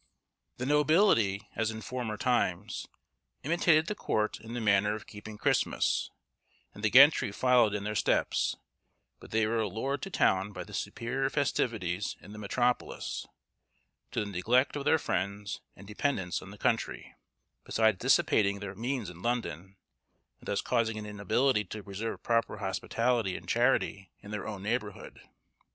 The nobility, as in former times, imitated the court in the manner of keeping Christmas, and the gentry followed in their steps; but they were allured to town by the superior festivities in the metropolis, to the neglect of their friends and dependents in the country, besides dissipating their means in London, and thus causing an inability to preserve proper hospitality and charity in their own neighbourhood.